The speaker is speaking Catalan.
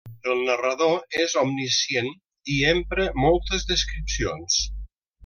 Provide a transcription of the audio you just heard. El narrador és omniscient i empra moltes descripcions.